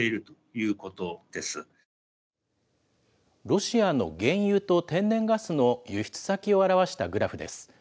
ロシアの原油と天然ガスの輸出先を表したグラフです。